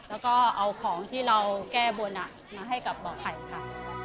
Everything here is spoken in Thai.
แล้วก็เอาของที่เราแก้บนมาให้กับบ่อไข่ค่ะ